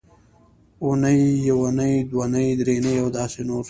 اونۍ یونۍ دونۍ درېنۍ او داسې نور